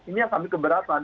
ini yang kami keberatan